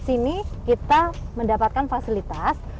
di sini kita mendapatkan fasilitas